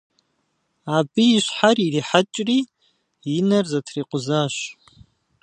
Абы и щхьэр ирихьэкӀри и нэр зэтрикъузащ.